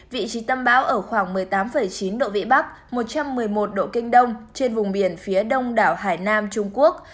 vị trí tâm báo ở khoảng một mươi tám chín độ vn một trăm một mươi một độ k trên vùng biển phía đông đảo hải nam trung quốc